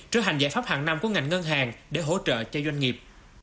trở thành giải pháp hàng năm của ngành ngân hàng để hỗ trợ cho doanh nghiệp